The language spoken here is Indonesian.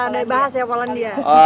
kata dari bahasa ya polandia